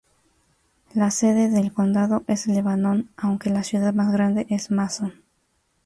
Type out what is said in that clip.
La sede del condado es Lebanon aunque la ciudad más grande es Mason.